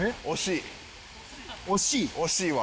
惜しいわ。